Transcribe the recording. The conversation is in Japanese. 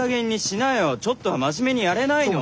ちょっとは真面目にやれないの？